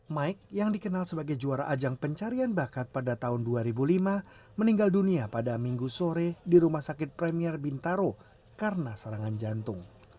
mike yang dikenal sebagai juara ajang pencarian bakat pada tahun dua ribu lima meninggal dunia pada minggu sore di rumah sakit premier bintaro karena serangan jantung